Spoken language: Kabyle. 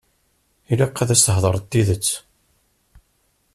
Ilaq ad as-theḍṛeḍ tidet.